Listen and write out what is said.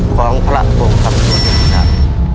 คลองพระปลงครับส่วนหนึ่งครับ